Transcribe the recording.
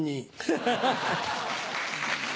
ハハハ。